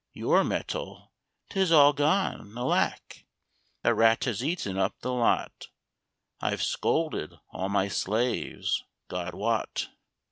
"Your metal! 'tis all gone, alack! A rat has eaten up the lot! I've scolded all my slaves, God wot!